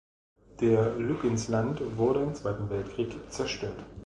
Der Luginsland wurde im Zweiten Weltkrieg zerstört.